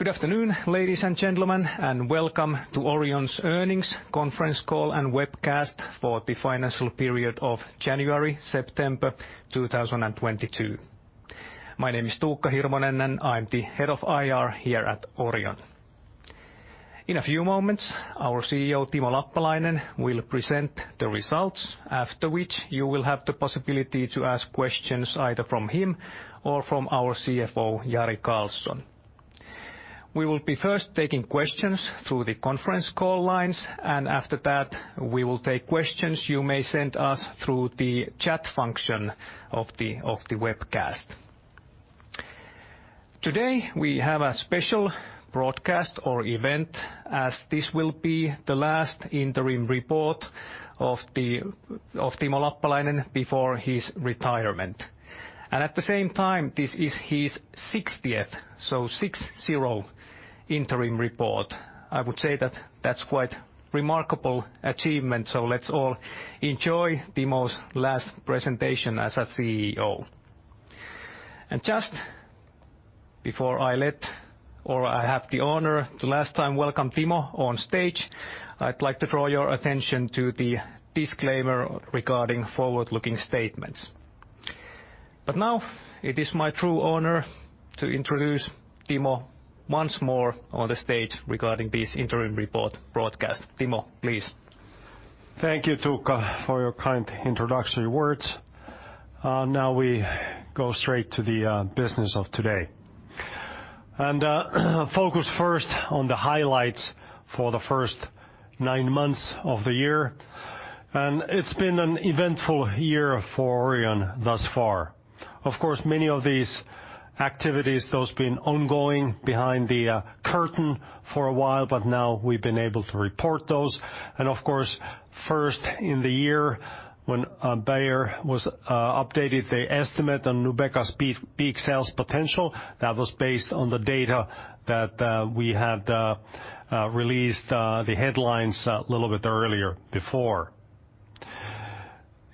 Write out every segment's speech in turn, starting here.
Good afternoon, ladies and gentlemen, and welcome to Orion's earnings Conference Call and webcast for the financial period of January-September 2022. My name is Tuukka Hirvonen, and I'm the head of IR here at Orion. In a few moments, our CEO, Timo Lappalainen, will present the results after which you will have the possibility to ask questions either from him or from our CFO, Jari Karlson. We will be first taking questions through the Conference Call lines, and after that, we will take questions you may send us through the chat function of the webcast. Today, we have a special broadcast or event as this will be the last interim report of Timo Lappalainen before his retirement. At the same time, this is his 60th, so 60 interim report. I would say that that's quite remarkable achievement. Let's all enjoy Timo's last presentation as a CEO. Just before I have the honor the last time to welcome Timo on stage, I'd like to draw your attention to the disclaimer regarding forward-looking statements. Now it is my true honor to introduce Timo once more on the stage regarding this interim report broadcast. Timo, please. Thank you, Tuukka, for your kind introductory words. Now we go straight to the business of today. Focus first on the highlights for the first nine months of the year. It's been an eventful year for Orion thus far. Of course, many of these activities, they've been ongoing behind the curtain for a while, but now we've been able to report those. Of course, first in the year when Bayer updated their estimate on Nubeqa's peak sales potential, that was based on the data that we had released, the headlines a little bit earlier before.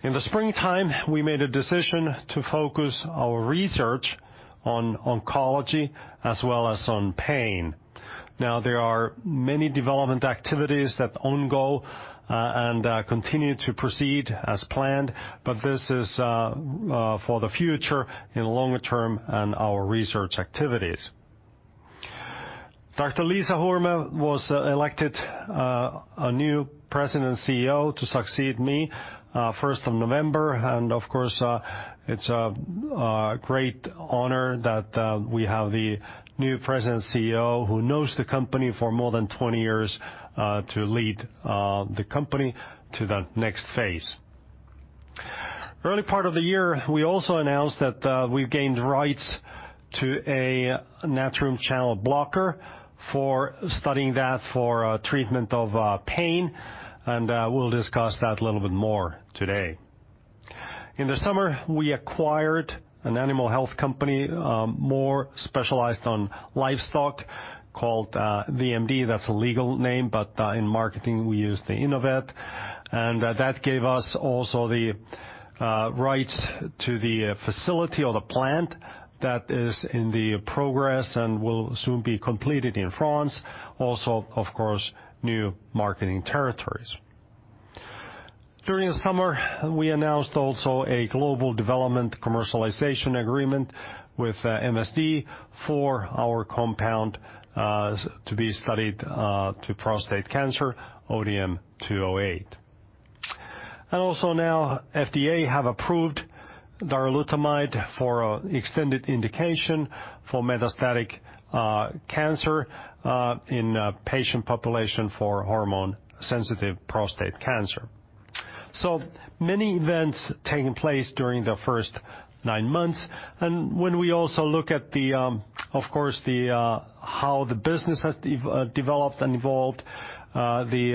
In the springtime, we made a decision to focus our research on oncology as well as on pain. Now, there are many development activities that continue to proceed as planned, but this is for the future in longer-term and our research activities. Dr. Liisa Hurme was elected a new President CEO to succeed me first of November, and of course, it's a great honor that we have the new President CEO who knows the company for more than 20 years to lead the company to the next phase. Early part of the year, we also announced that we've gained rights to a sodium channel blocker for studying that for treatment of pain, and we'll discuss that a little bit more today. In the summer, we acquired an animal health company more specialized on livestock called VMD. That's a legal name, but in marketing we use the Inovet. That gave us also the rights to the facility or the plant that is in progress and will soon be completed in France, also, of course, new marketing territories. During the summer, we announced also a global development commercialization agreement with MSD for our compound ODM-208 to be studied in prostate cancer. Also now FDA has approved darolutamide for extended indication for metastatic cancer in a patient population for hormone-sensitive prostate cancer. Many events taking place during the first nine months. When we also look at the, of course the, how the business has developed and evolved, the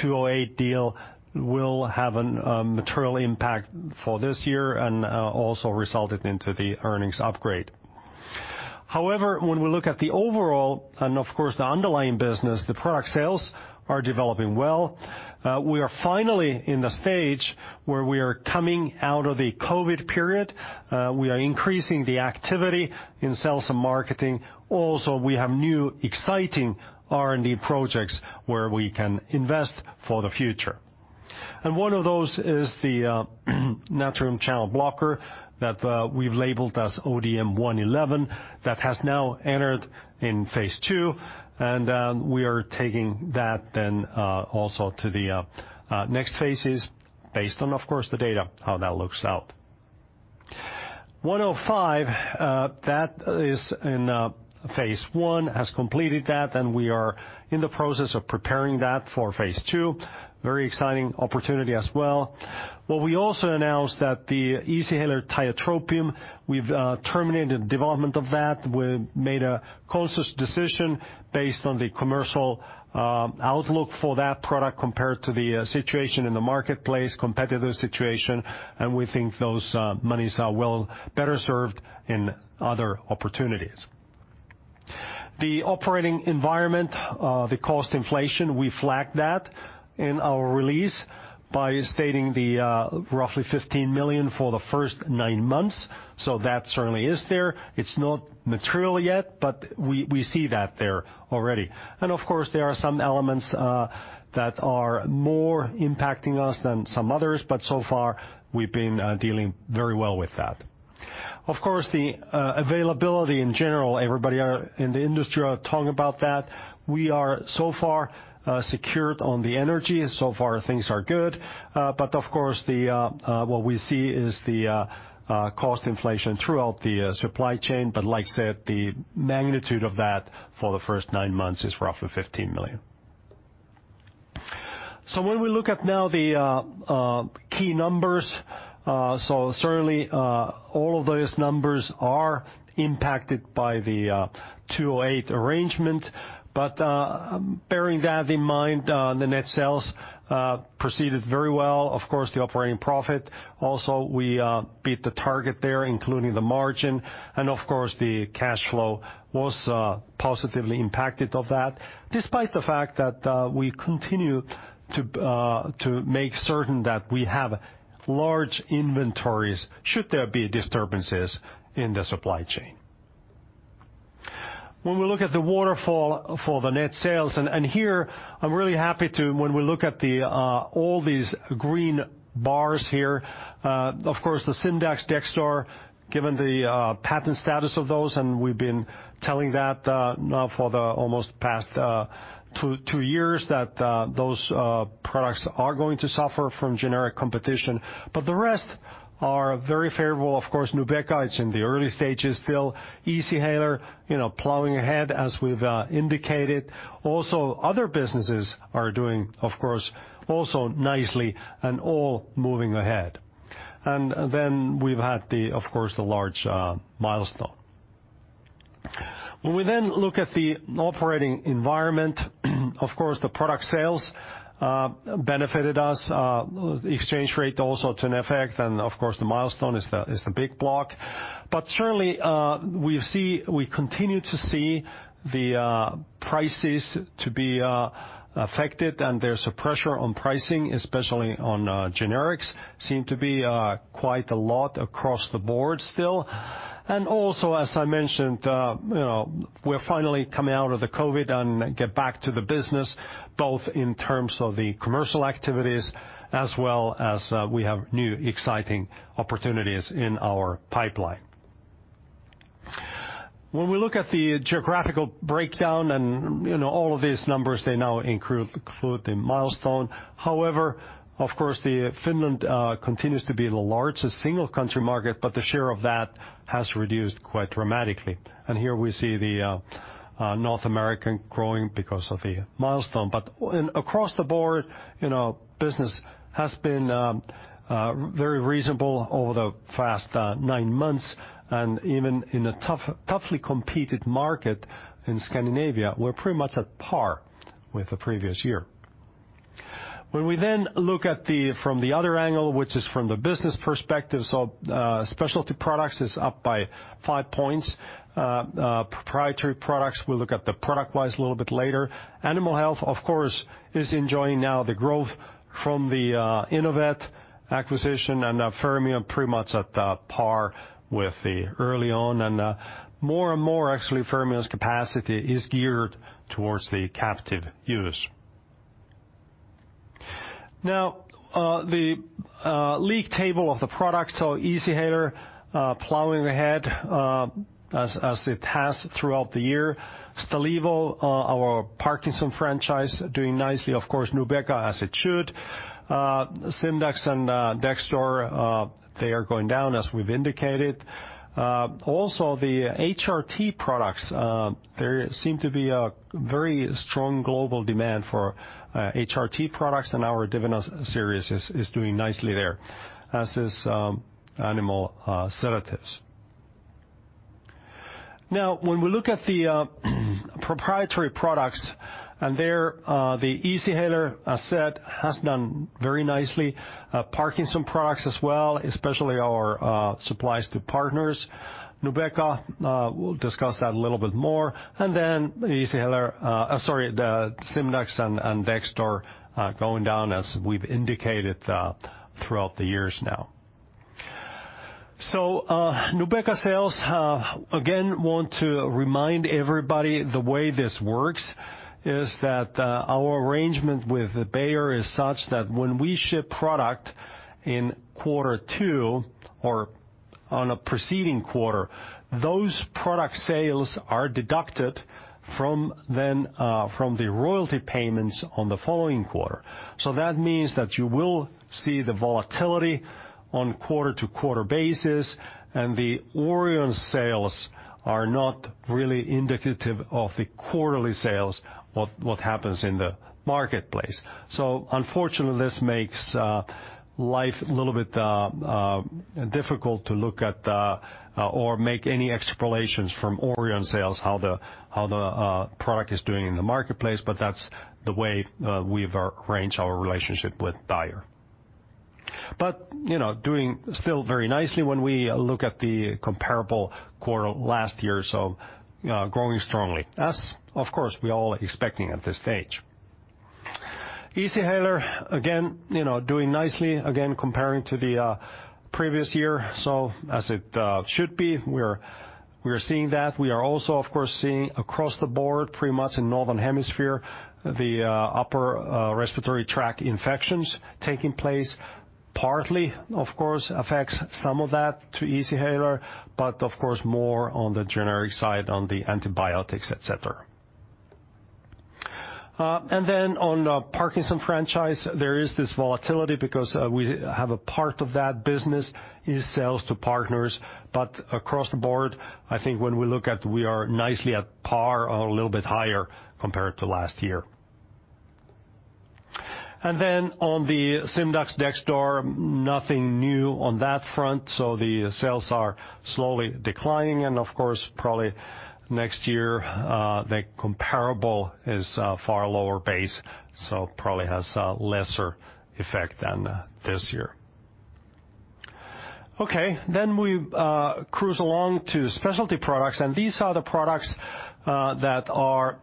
208 deal will have a material impact for this year and also resulted in the earnings upgrade. However, when we look at the overall and, of course, the underlying business, the product sales are developing well. We are finally in the stage where we are coming out of the COVID period. We are increasing the activity in sales and marketing. Also, we have new exciting R&D projects where we can invest for the future. One of those is the sodium channel blocker that we've labeled as ODM-111 that has now entered in phase two, and we are taking that then also to the next phases based on, of course, the data, how that looks out. ODM-105, that is in phase one, has completed that, and we are in the process of preparing that for phase two. Very exciting opportunity as well. What we also announced that the Easyhaler tiotropium, we've terminated development of that. We made a conscious decision based on the commercial outlook for that product compared to the situation in the marketplace, competitive situation, and we think those monies are well better served in other opportunities. The operating environment, the cost inflation, we flagged that in our release by stating the roughly 15 million for the first nine months. That certainly is there. It's not material yet, but we see that there already. Of course, there are some elements that are more impacting us than some others, but so far we've been dealing very well with that. Of course, the availability in general, everybody in the industry are talking about that. We are so far secured on the energy. So far things are good. Of course, what we see is the cost inflation throughout the supply chain. Like I said, the magnitude of that for the first nine months is roughly 15 million. When we look at now the key numbers, certainly all of those numbers are impacted by the ODM-208 arrangement. Bearing that in mind, the net sales proceeded very well. Of course, the operating profit also, we beat the target there, including the margin. Of course, the cash flow was positively impacted by that, despite the fact that we continue to make certain that we have large inventories should there be disturbances in the supply chain. When we look at the waterfall for the net sales, here I'm really happy when we look at all these green bars here, of course, the Simdax, Dexdor, given the patent status of those, and we've been telling that now for almost the past two years that those products are going to suffer from generic competition. But the rest are very favorable. Of course, Nubeqa, it's in the early stages still. Easyhaler, you know, plowing ahead as we've indicated. Also other businesses are doing, of course, also nicely and all moving ahead. Then we've had, of course, the large milestone. When we look at the operating environment, of course, the product sales benefited us, the exchange rate had an effect, and of course, the milestone is the big block. Certainly, we see, we continue to see the prices to be affected, and there's a pressure on pricing, especially on generics, seem to be quite a lot across the board still. Also, as I mentioned, you know, we're finally coming out of the COVID and get back to the business, both in terms of the commercial activities as well as we have new exciting opportunities in our pipeline. When we look at the geographical breakdown and, you know, all of these numbers, they now include the milestone. However, of course, Finland continues to be the largest single country market, but the share of that has reduced quite dramatically. Here we see the North America growing because of the milestone. Across the board, you know, business has been very reasonable over the past 9 months, and even in a toughly competed market in Scandinavia, we're pretty much at par with the previous year. When we then look at it from the other angle, which is from the business perspective, specialty products is up by 5 points. Proprietary products, we'll look at the product-wise a little bit later. Animal health, of course, is enjoying now the growth from the Inovet acquisition and now Fermion pretty much at par with the year on. More and more actually Fermion's capacity is geared towards the captive use. Now the league table of the products, so Easyhaler plowing ahead as it has throughout the year. Stalevo our Parkinson's franchise doing nicely, of course, Nubeqa as it should. Simdax and Dexdor they are going down as we've indicated. Also the HRT products there seem to be a very strong global demand for HRT products, and our Divina series is doing nicely there, as is animal sedatives. Now when we look at the proprietary products, the Easyhaler asset has done very nicely. Parkinson's products as well, especially our supplies to partners. Nubeqa we'll discuss that a little bit more. Then Easyhaler, sorry, the Simdax and Dextor going down as we've indicated throughout the years now. Nubeqa sales, again, want to remind everybody the way this works is that our arrangement with Bayer is such that when we ship product in quarter two or on a preceding quarter, those product sales are deducted from the royalty payments on the following quarter. That means that you will see the volatility on quarter-to-quarter basis, and the Orion sales are not really indicative of the quarterly sales of what happens in the marketplace. Unfortunately, this makes life a little bit difficult to look at or make any extrapolations from Orion sales, how the product is doing in the marketplace, but that's the way we've arranged our relationship with Bayer. You know, doing still very nicely when we look at the comparable quarter last year, growing strongly, as of course we all expecting at this stage. Easyhaler, again, you know, doing nicely, again comparing to the previous year. As it should be, we are seeing that. We are also of course seeing across the board pretty much in the Northern Hemisphere the upper respiratory tract infections taking place, partly of course affects some of that to Easyhaler, but of course more on the generic side, on the antibiotics, etc. On the Parkinson's franchise, there is this volatility because we have a part of that business is sales to partners. Across the board, I think when we look at we are nicely at par or a little bit higher compared to last year. On the Simdax, Dexdor, nothing new on that front, so the sales are slowly declining. Of course, probably next year, the comparable is a far lower base, so probably has a lesser effect than this year. Okay, we cruise along to specialty products, and these are the products that are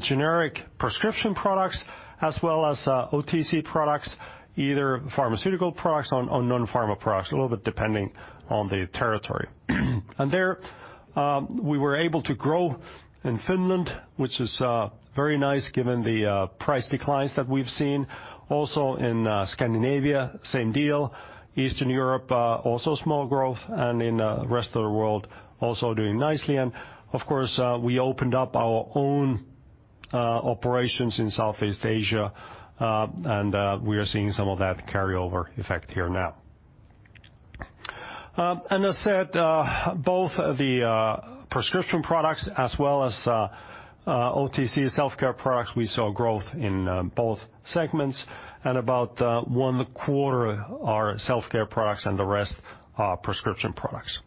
generic prescription products as well as OTC products, either pharmaceutical products or non-pharma products, a little bit depending on the territory. There, we were able to grow in Finland, which is very nice given the price declines that we've seen. Also in Scandinavia, same deal. Eastern Europe, also small growth, and in the rest of the world, also doing nicely. Of course, we opened up our own operations in Southeast Asia, and we are seeing some of that carryover effect here now. I said both the prescription products as well as OTC self-care products, we saw growth in both segments, and about one quarter are self-care products and the rest are prescription products.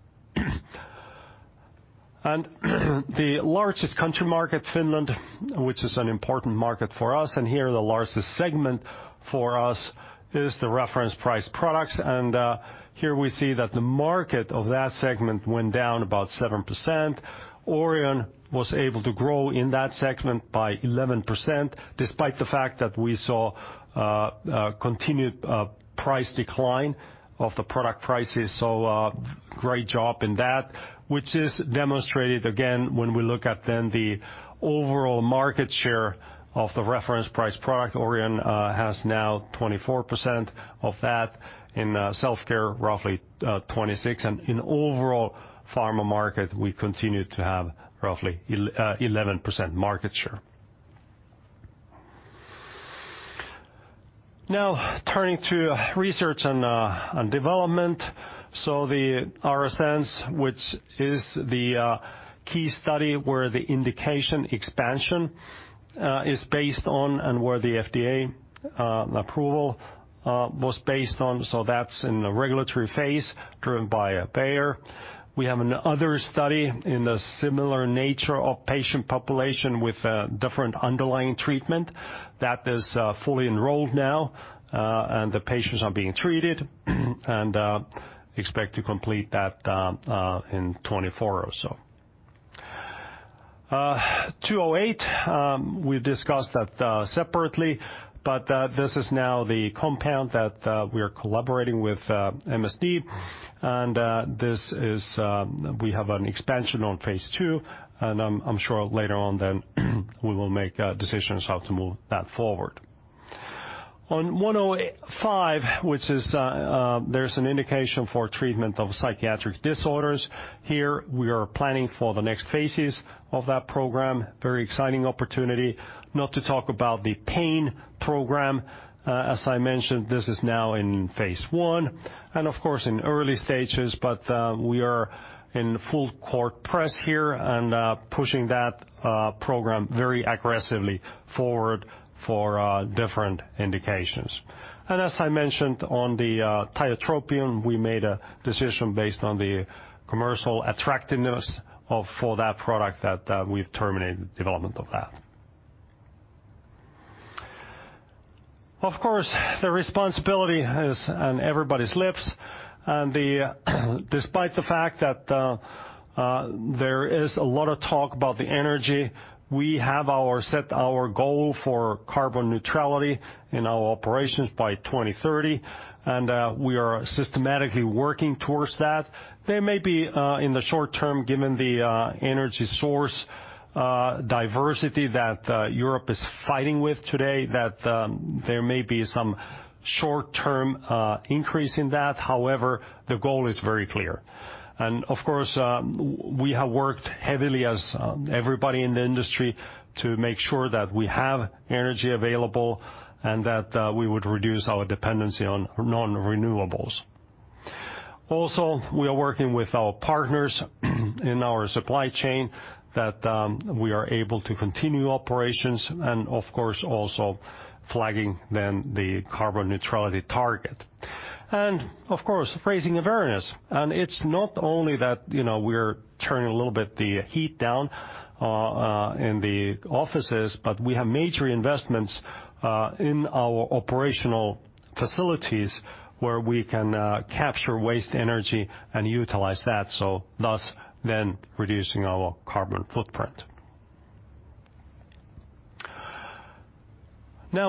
The largest country market, Finland, which is an important market for us, and here the largest segment for us is the reference price products. Here we see that the market of that segment went down about 7%. Orion was able to grow in that segment by 11%, despite the fact that we saw continued price decline of the product prices. Great job in that, which is demonstrated again when we look at then the overall market share of the reference price product. Orion has now 24% of that. In self-care, roughly 26%. In overall pharma market, we continue to have roughly 11% market share. Now turning to research and development. The ARASENS, which is the key study where the indication expansion is based on and where the FDA approval was based on, that's in the regulatory phase driven by Bayer. We have another study in a similar nature of patient population with a different underlying treatment that is fully enrolled now, and the patients are being treated and expect to complete that in 2024 or so. ODM-208, we discussed that separately, but this is now the compound that we are collaborating with MSD. This is, we have an expansion on phase 2, and I'm sure later on then we will make decisions how to move that forward. On ODM-105, which is, there's an indication for treatment of psychiatric disorders. Here we are planning for the next phases of that program. Very exciting opportunity. Now to talk about the pain program, as I mentioned, this is now in phase 1, and of course in early stages, but we are in full court press here and pushing that program very aggressively forward for different indications. As I mentioned on the tiotropium, we made a decision based on the commercial attractiveness for that product that we've terminated development of that. Of course, the responsibility is on everybody's lips and despite the fact that there is a lot of talk about the energy, we have set our goal for carbon neutrality in our operations by 2030, and we are systematically working towards that. There may be in the short-term, given the energy source diversity that Europe is fighting with today, some short-term increase in that. However, the goal is very clear. Of course, we have worked heavily as everybody in the industry to make sure that we have energy available and that we would reduce our dependency on non-renewables. Also, we are working with our partners in our supply chain that we are able to continue operations and of course, also flagging then the carbon neutrality target. Of course, raising awareness. It's not only that, you know, we're turning a little bit the heat down in the offices, but we have major investments in our operational facilities where we can capture waste energy and utilize that, thus reducing our carbon footprint.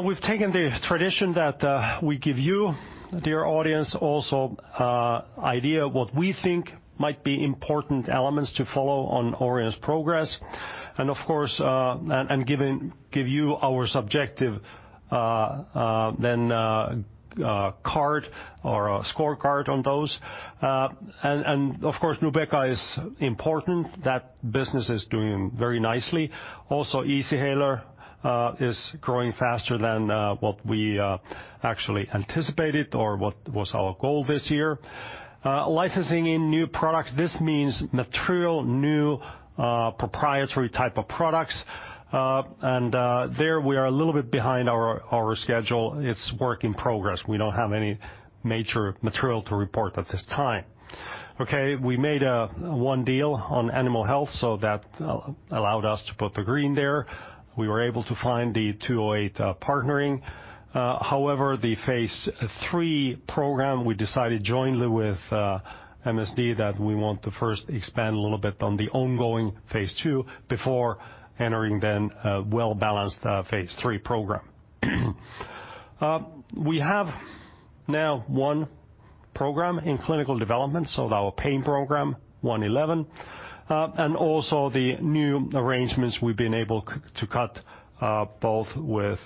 We've taken the tradition that we give you, dear audience, also idea of what we think might be important elements to follow on Orion's progress and of course giving you our subjective scorecard on those. Of course Nubeqa is important. That business is doing very nicely. Also Easyhaler is growing faster than what we actually anticipated or what was our goal this year. Licensing in new products, this means material, new, proprietary type of products, and there we are a little bit behind our schedule. It's work in progress. We don't have any major material to report at this time. Okay, we made 1 deal on animal health, so that allowed us to put the green there. We were able to find the 208 partnering, however, the phase 3 program, we decided jointly with MSD that we want to first expand a little bit on the ongoing phase 2 before entering then a well-balanced phase 3 program. We have now 1 program in clinical development, so our pain program, 111, and also the new arrangements we've been able to cut, both with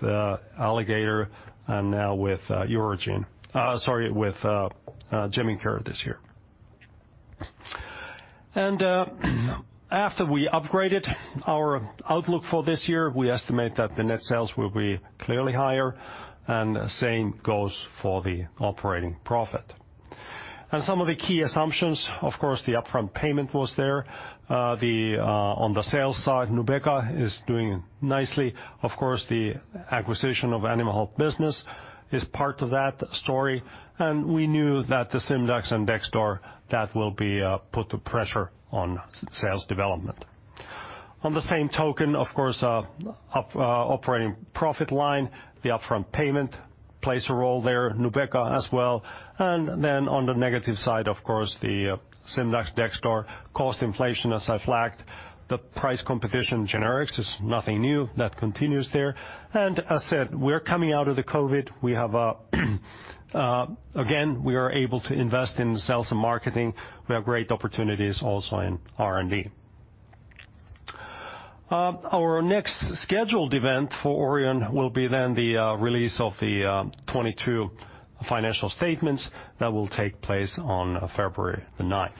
Alligator and now with Jemincare this year. After we upgraded our outlook for this year, we estimate that the net sales will be clearly higher and same goes for the operating profit. Some of the key assumptions, of course, the upfront payment was there. On the sales side, Nubeqa is doing nicely. Of course, the acquisition of animal health business is part of that story, and we knew that the Simdax and Dexdor that will put the pressure on sales development. On the same token, of course, operating profit line, the upfront payment plays a role there, Nubeqa as well. Then on the negative side, of course, the Simdax, Dexdor cost inflation, as I flagged, the price competition, generics is nothing new. That continues there. As I said, we're coming out of the COVID. We have again, we are able to invest in sales and marketing. We have great opportunities also in R&D. Our next scheduled event for Orion will be then the release of the 2022 financial statements that will take place on February the ninth.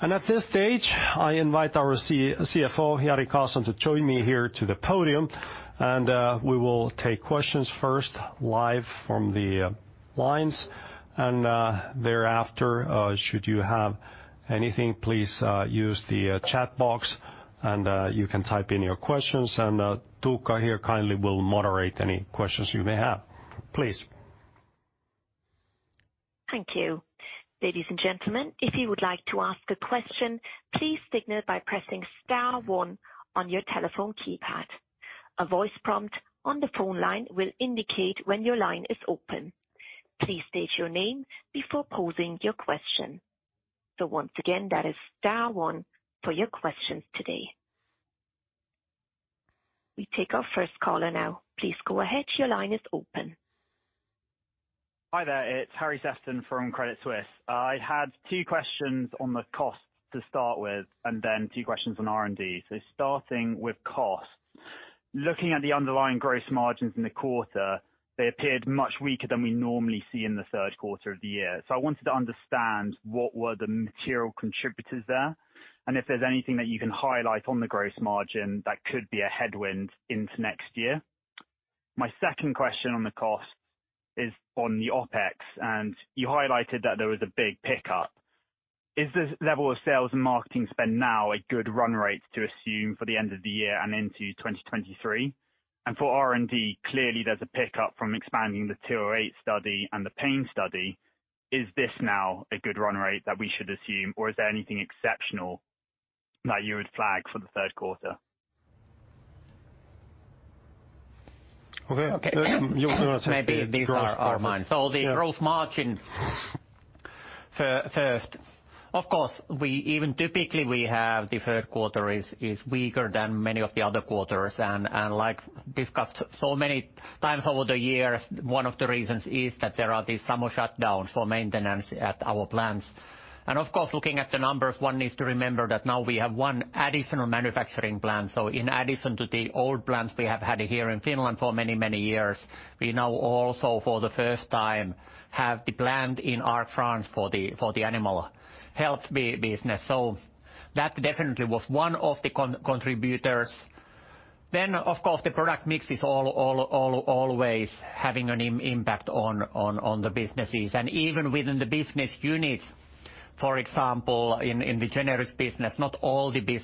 At this stage, I invite our CFO, Jari Karlson, to join me here to the podium, and we will take questions first live from the lines and thereafter should you have anything, please use the chat box and you can type in your questions and Tuukka here kindly will moderate any questions you may have. Please. Thank you. Ladies and gentlemen, if you would like to ask a question, please signal by pressing star one on your telephone keypad. A voice prompt on the phone line will indicate when your line is open. Please state your name before posing your question. Once again, that is star one for your questions today. We take our first caller now. Please go ahead. Your line is open. Hi there, it's Harry Sefton from Credit Suisse. I had two questions on the costs to start with and then two questions on R&D. Starting with costs. Looking at the underlying gross margins in the quarter, they appeared much weaker than we normally see in the Q3 of the year. I wanted to understand what were the material contributors there, and if there's anything that you can highlight on the gross margin that could be a headwind into next year. My second question on the cost is on the OpEx, and you highlighted that there was a big pickup. Is this level of sales and marketing spend now a good run rate to assume for the end of the year and into 2023? For R&D, clearly there's a pickup from expanding the ODM-208 study and the pain study. Is this now a good run rate that we should assume, or is there anything exceptional that you would flag for the Q3? Okay. Okay. You wanna take the gross profit? Maybe these are mine. Yeah. The gross margin first, of course, typically the Q3 is weaker than many of the other quarters and as discussed so many times over the years, one of the reasons is that there are these summer shutdowns for maintenance at our plants. Of course, looking at the numbers, one needs to remember that now we have one additional manufacturing plant. In addition to the old plants we have had here in Finland for many, many years, we now also for the first time have the plant in Arques, France for the animal health business. That definitely was one of the contributors. Of course, the product mix is always having an impact on the businesses. Even within the business units. For example, in the generics business, not all the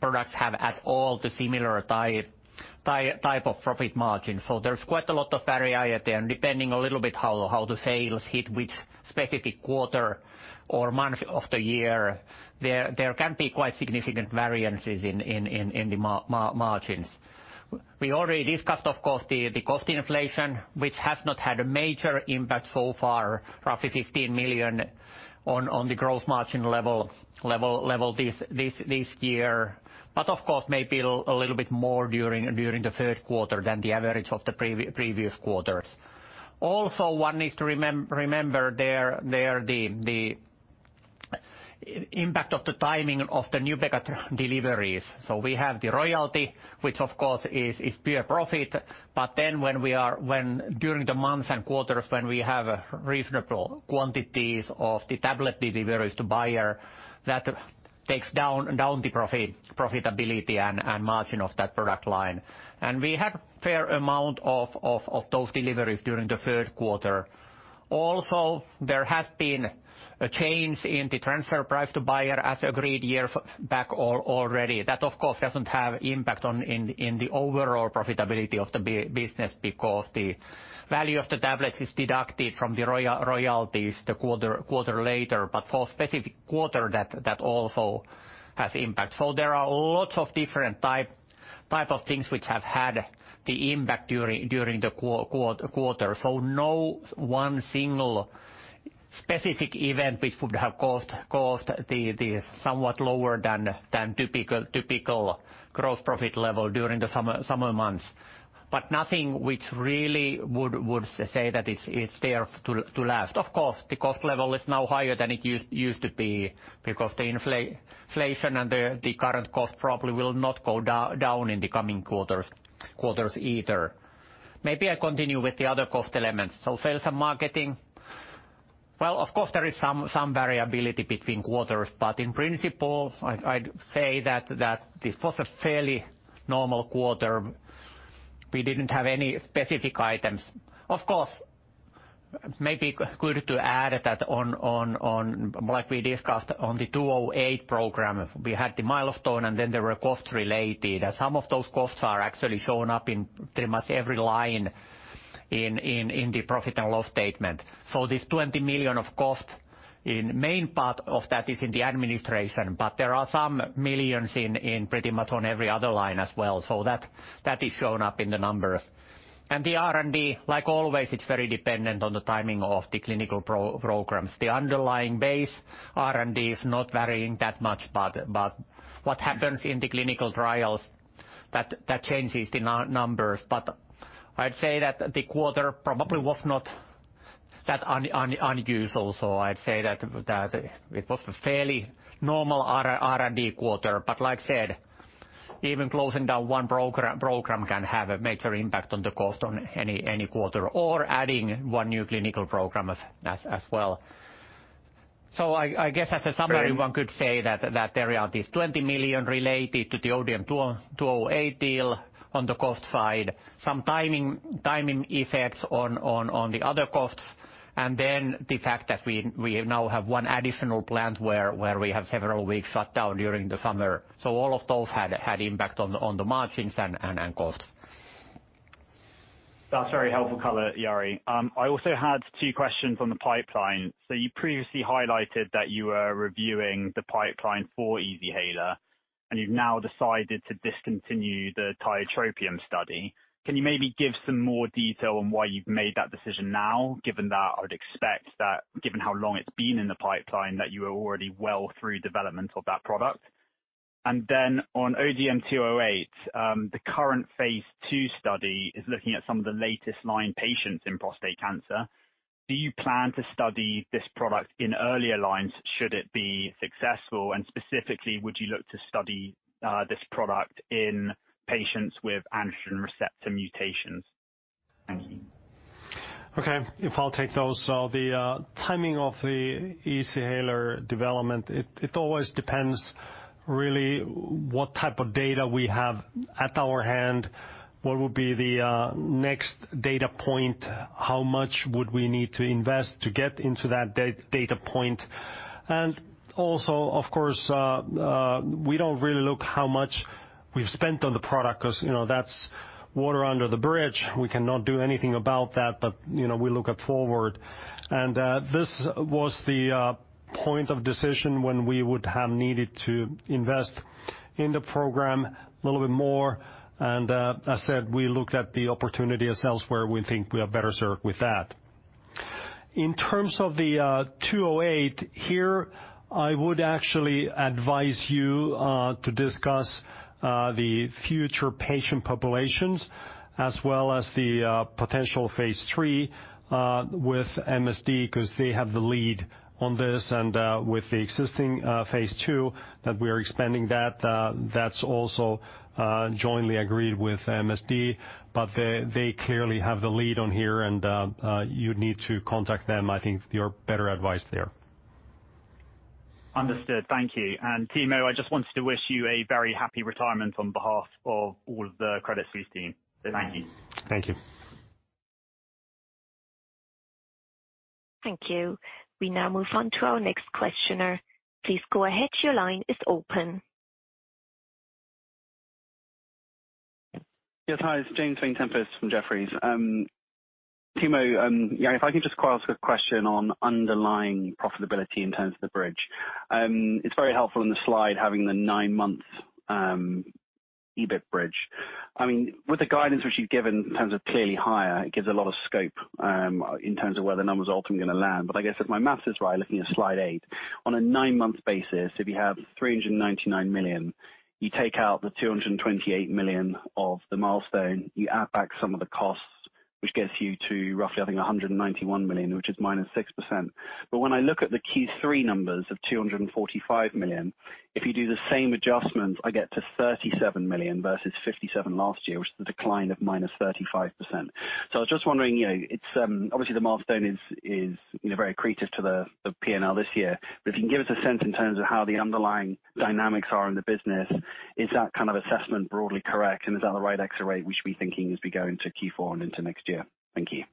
products have the similar type of profit margin. There's quite a lot of variety and depending a little bit how the sales hit which specific quarter or month of the year, there can be quite significant variances in the margins. We already discussed, of course, the cost inflation, which has not had a major impact so far, roughly 15 million on the gross margin level this year. Of course, maybe a little bit more during the Q3 than the average of the previous quarters. Also one needs to remember there the impact of the timing of the Nubeqa deliveries. We have the royalty, which of course is pure profit. During the months and quarters, when we have reasonable quantities of the tablet deliveries to Bayer, that takes down the profitability and margin of that product line. We had fair amount of those deliveries during the Q3. Also, there has been a change in the transfer price to Bayer as agreed years back already. That, of course, doesn't have impact on the overall profitability of the business because the value of the tablets is deducted from the royalties the quarter later, but for specific quarter that also has impact. There are lots of different type of things which have had the impact during the quarter. No one single specific event which would have caused the somewhat lower than typical growth profit level during the summer months. Nothing which really would say that it's there to last. Of course, the cost level is now higher than it used to be, because the inflation and the current cost probably will not go down in the coming quarters either. Maybe I continue with the other cost elements. Sales and marketing. Well, of course, there is some variability between quarters, but in principle, I'd say that this was a fairly normal quarter. We didn't have any specific items. Of course, maybe good to add that on—like we discussed on the 208 program, we had the milestone, and then there were costs-related. Some of those costs are actually shown up in pretty much every line in the profit and loss statement. This 20 million of cost, in main part of that is in the administration, but there are some millions in pretty much every other line as well. That is shown up in the numbers. The R&D, like always, it's very dependent on the timing of the clinical programs. The underlying base R&D is not varying that much, but what happens in the clinical trials, that changes the numbers. I'd say that the quarter probably was not that unusual. I'd say that it was a fairly normal R&D quarter. Like I said, even closing down one program can have a major impact on the cost on any quarter or adding one new clinical program as well. I guess as a summary one could say that there are these 20 million related to the ODM-208 deal on the cost side, some timing effects on the other costs, and then the fact that we now have one additional plant where we have several weeks shut down during the summer. All of those had impact on the margins and costs. That's very helpful color, Jari. I also had two questions on the pipeline. You previously highlighted that you were reviewing the pipeline for Easyhaler, and you've now decided to discontinue the tiotropium study. Can you maybe give some more detail on why you've made that decision now, given that I would expect that given how long it's been in the pipeline, that you are already well through development of that product? On ODM-208, the current phase 2 study is looking at some of the late-line patients in prostate cancer. Do you plan to study this product in earlier lines, should it be successful? Specifically, would you look to study this product in patients with androgen receptor mutations? Thank you. Okay, I'll take those. The timing of the Easyhaler development, it always depends really what type of data we have at hand, what will be the next data point, how much would we need to invest to get into that data point. Also, of course, we don't really look how much we've spent on the product 'cause, you know, that's water under the bridge. We cannot do anything about that, but, you know, we look forward. This was the point of decision when we would have needed to invest in the program a little bit more. As I said, we looked at the opportunities elsewhere, we think we are better served with that. In terms of the ODM-208, I would actually advise you to discuss the future patient populations as well as the potential phase 3 with MSD, 'cause they have the lead on this and, with the existing phase 2 that we are expanding, that's also jointly agreed with MSD, but they clearly have the lead on here and you'd need to contact them. I think they're better advised there. Understood. Thank you. Timo, I just wanted to wish you a very happy retirement on behalf of all the Credit Suisse team. Thank you. Thank you. Thank you. We now move on to our next questioner. Please go ahead. Your line is open. Yes. Hi. It's James Heaney from Jefferies. Timo, yeah, if I can just ask a question on underlying profitability in terms of the bridge. It's very helpful in the slide having the 9-month EBIT bridge. I mean, with the guidance which you've given in terms of clearly higher, it gives a lot of scope in terms of where the number is ultimately gonna land. I guess if my math is right, looking at slide 8, on a 9-month basis, if you have 399 million, you take out the 228 million of the milestone, you add back some of the costs, which gets you to roughly, I think, 191 million, which is -6%. When I look at the Q3 numbers of 245 million, if you do the same adjustment, I get to 37 million versus 57 million last year, which is a decline of -35%. I was just wondering, you know, it's obviously the milestone is, you know, very accretive to the P&L this year. If you can give us a sense in terms of how the underlying dynamics are in the business, is that kind of assessment broadly correct? And is that the right FX rate we should be thinking as we go into Q4 and into next year? Thank you.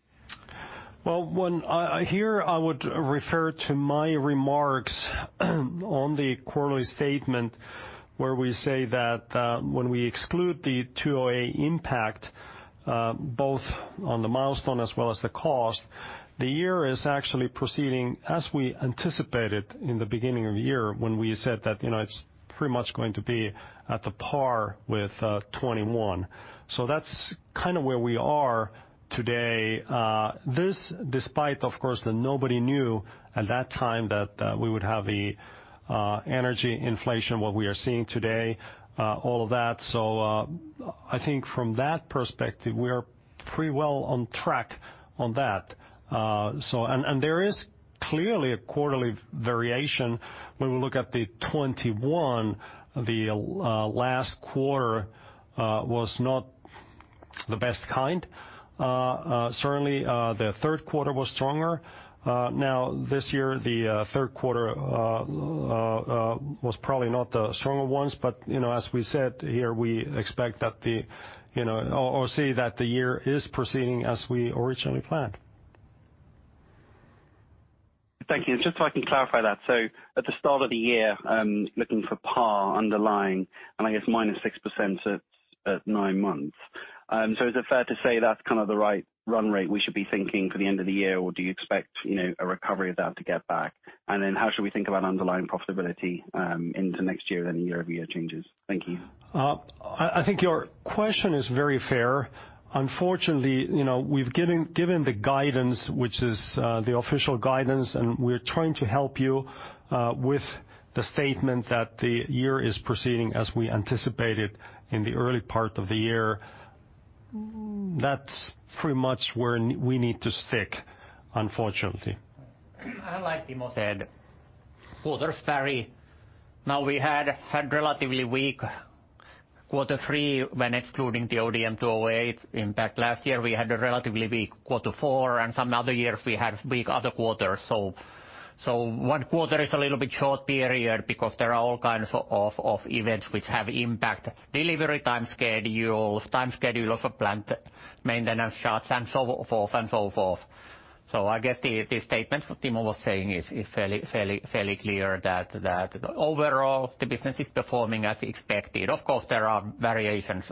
Well, I would refer to my remarks on the quarterly statement, where we say that when we exclude the 2 OA impact both on the milestone as well as the cost, the year is actually proceeding as we anticipated in the beginning of the year when we said that, you know, it's pretty much going to be on par with 2021. That's kind of where we are today. This despite, of course, that nobody knew at that time that we would have the energy inflation that we are seeing today, all of that. I think from that perspective, we are pretty well on track on that. There is clearly a quarterly variation when we look at 2021. The last quarter was not the best kind. Certainly, the Q3 was stronger. Now this year, the Q3 was probably not the stronger ones, but you know, as we said here, we expect that, you know, or we see that the year is proceeding as we originally planned. Thank you. Just so I can clarify that. At the start of the year, looking at our underlying and I guess -6% at nine months. Is it fair to say that's kind of the right run rate we should be thinking for the end of the year? Or do you expect, you know, a recovery of that to get back? Then how should we think about underlying profitability into next year and the year-over-year changes? Thank you. I think your question is very fair. Unfortunately, you know, we've given the guidance, which is the official guidance, and we're trying to help you with the statement that the year is proceeding as we anticipated in the early part of the year. That's pretty much where we need to stick, unfortunately. Like Timo said, quarters vary. Now, we had relatively weak quarter three when excluding the ODM-208 impact. Last year, we had a relatively weak quarter four, and some other years we had weak other quarters. One quarter is a little bit short period because there are all kinds of of events which have impact, delivery time schedules, time schedule of plant maintenance charts, and so forth and so forth. I guess the statement Timo was saying is fairly clear that overall the business is performing as expected. Of course, there are variations.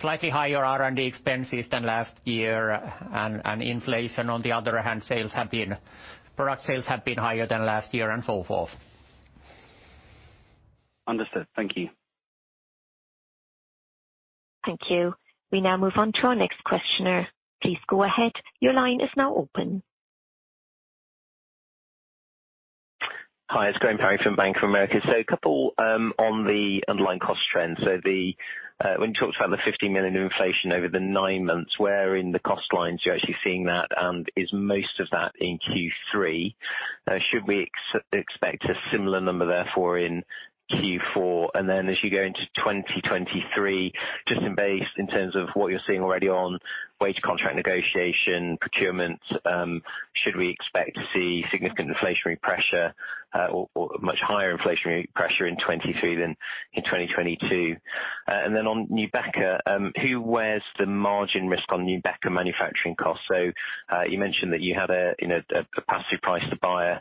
Slightly higher R&D expenses than last year and inflation on the other hand, product sales have been higher than last year and so forth. Understood. Thank you. Thank you. We now move on to our next questioner. Please go ahead. Your line is now open. Hi, it's Graham Powell from Bank of America. A couple on the underlying cost trends. When you talked about the 15 million inflation over the nine months, where in the cost lines you're actually seeing that, and is most of that in Q3? Should we expect a similar number therefore in Q4? As you go into 2023, just in base, in terms of what you're seeing already on wage contract negotiation, procurement, should we expect to see significant inflationary pressure, or much higher inflationary pressure in 2023 than in 2022? On Nubeqa, who bears the margin-risk on Nubeqa manufacturing costs? You mentioned that you had a capacity price to Bayer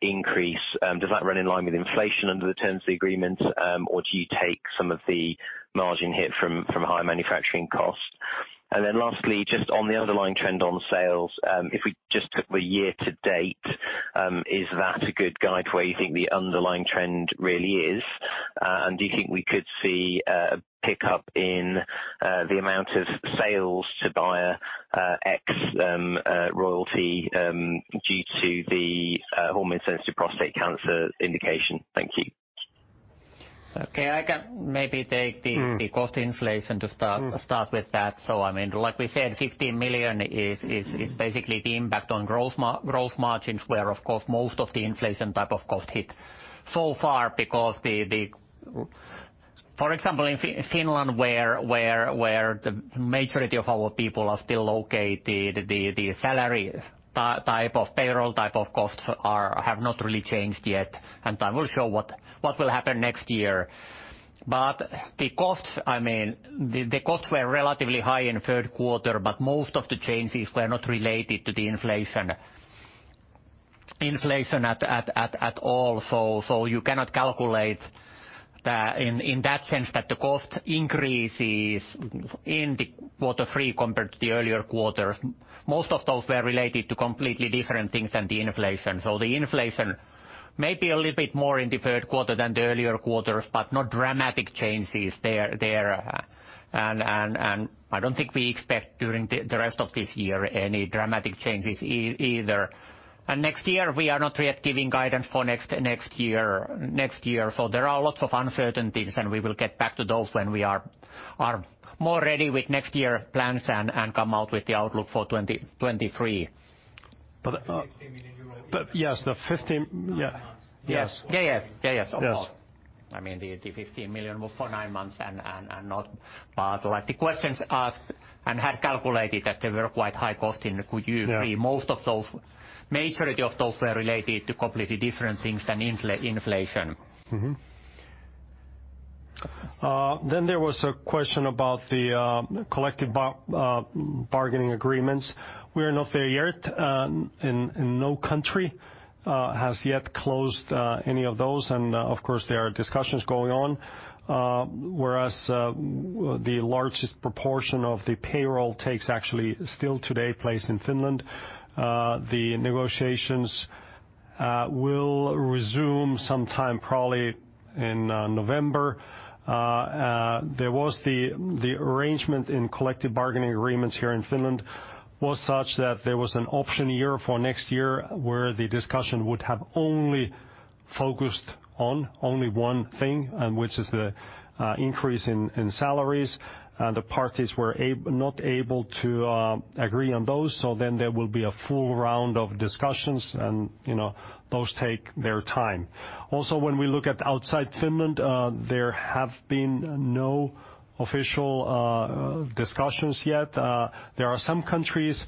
increase. Does that run in line with inflation under the terms of the agreement? Do you take some of the margin hit from higher manufacturing costs? Lastly, just on the underlying trend on sales, if we just took the year to date, is that a good guide for where you think the underlying trend really is? Do you think we could see pickup in the amount of sales to Bayer ex royalty due to the hormone-sensitive prostate cancer indication? Thank you. Okay, I can maybe take the. Mm. The cost inflation to start with that. I mean, like we said, 15 million is basically the impact on growth margins where of course most of the inflation-type cost hit so far because the. For example, in Finland where the majority of our people are still located, the salary-type payroll-type costs have not really changed yet, and time will show what will happen next year. The costs, I mean, the costs were relatively high in Q3, but most of the changes were not related to the inflation at all. You cannot calculate the in that sense that the cost increases in the quarter three compared to the earlier quarters, most of those were related to completely different things than the inflation. The inflation may be a little bit more in the Q3 than the earlier quarters, but not dramatic changes there. I don't think we expect during the rest of this year any dramatic changes either. Next year we are not yet giving guidance for next year. There are lots of uncertainties, and we will get back to those when we are more ready with next year plans and come out with the outlook for 2023. But, uh- Yes. Yeah. Yes. Yeah. Yeah, yes. Of course. Yes. I mean, the 15 million for nine months and not. Like, the questions asked and had calculated that they were quite high cost in Q3. Yeah. Majority of those were related to completely different things than inflation. Then there was a question about the collective bargaining agreements. We are not there yet, and no country has yet closed any of those. Of course, there are discussions going on, whereas the largest proportion of the payroll takes actually still today place in Finland. The negotiations will resume sometime probably in November. There was the arrangement in collective bargaining agreements here in Finland was such that there was an option-year for next year, where the discussion would have only focused on only one thing, and which is the increase in salaries. The parties were not able to agree on those. There will be a full round of discussions, and you know, those take their time. Also, when we look at outside Finland, there have been no official discussions yet. There are some countries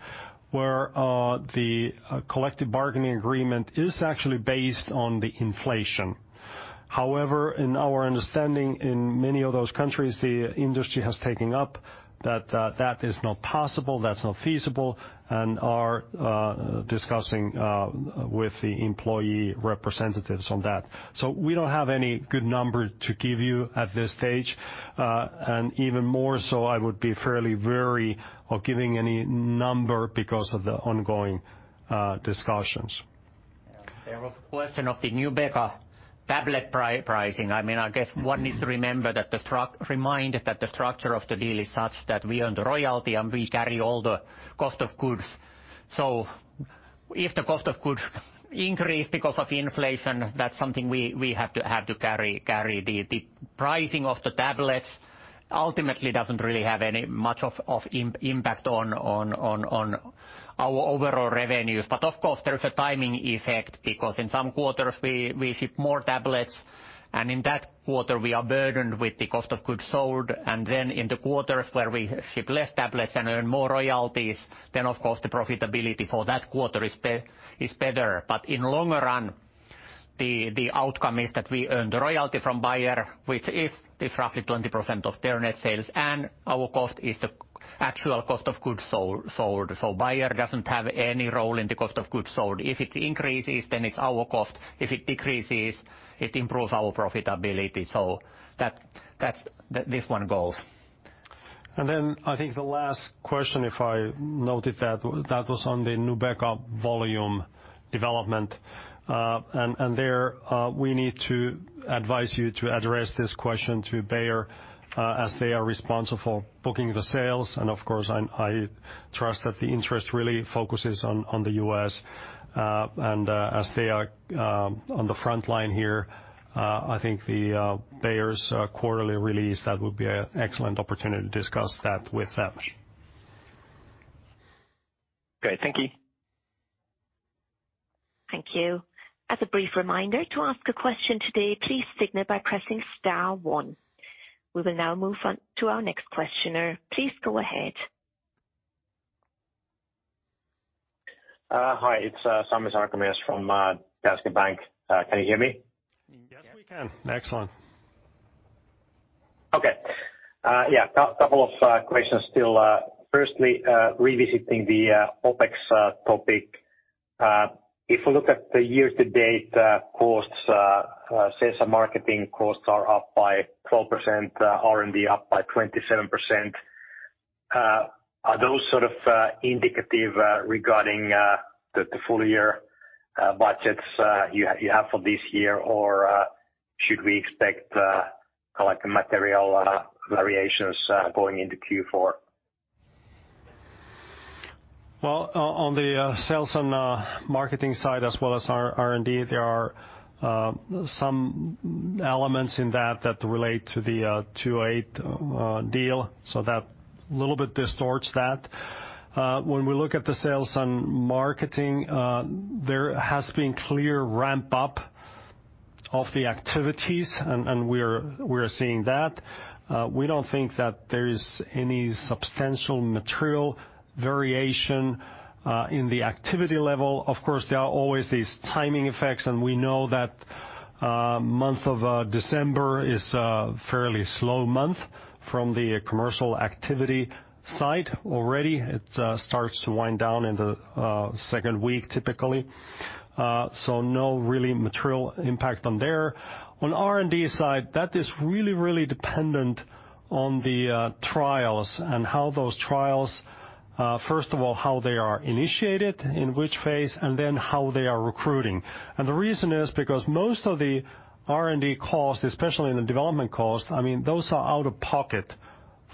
where the collective bargaining agreement is actually based on the inflation. However, in our understanding, in many of those countries, the industry has taken up that that is not possible, that's not feasible, and are discussing with the employee representatives on that. So we don't have any good number to give you at this stage. Even more so I would be fairly wary of giving any number because of the ongoing discussions. Yeah. There was a question of the Nubeqa tablet pricing. I mean, I guess one needs to remember that remind that the structure of the deal is such that we earn the royalty and we carry all the cost of goods. If the cost of goods increase because of inflation, that's something we have to carry. The pricing of the tablets ultimately doesn't really have much of an impact on our overall revenues. Of course there is a timing effect because in some quarters we ship more tablets, and in that quarter we are burdened with the cost of goods sold. Then in the quarters where we ship less tablets and earn more royalties, then of course the profitability for that quarter is better. In the long-run, the outcome is that we earn the royalty from Bayer, which is roughly 20% of their net sales, and our cost is the actual cost of goods sold. Bayer doesn't have any role in the cost of goods sold. If it increases, then it's our cost. If it decreases, it improves our profitability. That's this one goes. I think the last question, if I noted that was on the Nubeqa volume development. There, we need to advise you to address this question to Bayer, as they are responsible for booking the sales. Of course, I trust that the interest really focuses on the US, and as they are on the front line here, I think Bayer's quarterly release would be an excellent opportunity to discuss that with them. Great. Thank you. Thank you. As a brief reminder, to ask a question today, please signal by pressing star one. We will now move on to our next questioner. Please go ahead. Hi. It's Sami Sarkamies from Danske Bank. Can you hear me? Yes, we can. Excellent. Okay. Yeah, a couple of questions still. Firstly, revisiting the OpEx topic. If we look at the year-to-date costs, sales and marketing costs are up by 12%, R&D up by 27%. Are those sort of indicative regarding the full-year budgets you have for this year? Should we expect like material variations going into Q4? Well, on the sales and marketing side, as well as R&D, there are some elements in that that relate to the ODM-208 deal, so that little bit distorts that. When we look at the sales and marketing, there has been clear ramp up of the activities and we're seeing that. We don't think that there is any substantial material variation in the activity level. Of course, there are always these timing effects, and we know that the month of December is a fairly slow month from the commercial activity side. Already it starts to wind down in the second week typically. So no really material impact there. On R&D side, that is really, really dependent on the trials and how those trials, first of all, how they are initiated, in which phase, and then how they are recruiting. The reason is because most of the R&D costs, especially in the development costs, I mean, those are out-of-pocket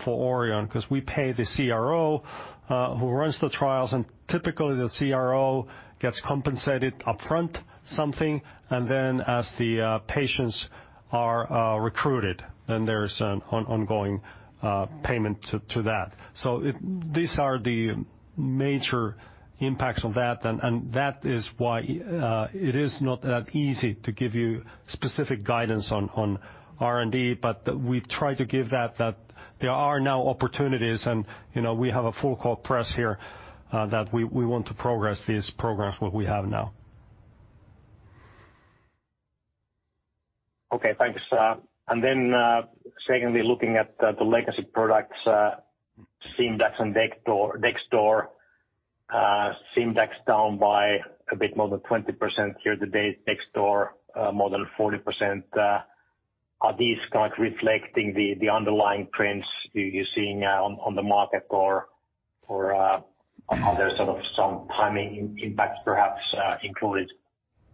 for Orion, 'cause we pay the CRO who runs the trials, and typically, the CRO gets compensated upfront something. As the patients are recruited, then there's an ongoing payment to that. If these are the major impacts on that. That is why it is not that easy to give you specific guidance on R&D, but we try to give that there are now opportunities. You know, we have a full court press here that we want to progress these programs what we have now. Okay, thanks. Secondly, looking at the legacy products, Simdax and Dexdor. Simdax down by a bit more than 20% year-to-date, Dexdor more than 40%. Are these kind of reflecting the underlying trends you're seeing on the market, or are there sort of some timing impacts perhaps included?